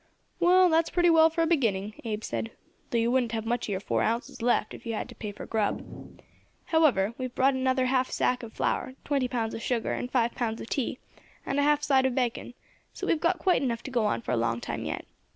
"Well, that's pretty well for a beginning," Abe said, "though you wouldn't have much of your four ounces left if you had had to pay for grub. However, we've brought up another half sack of flour, twenty pounds of sugar, and five pounds of tea, and a half side of bacon, so we have got quite enough to go on for a long time yet.